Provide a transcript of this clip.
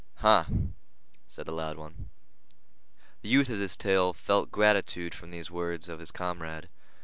"Huh!" said the loud one. The youth of this tale felt gratitude for these words of his comrade.